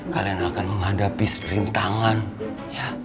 kalian akan menghadapi seperintangan ya